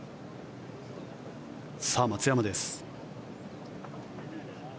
さあ、松山です。